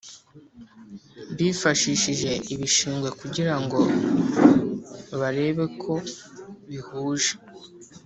Bifashishije ibishingwe kugira ngo barebe ko bihuje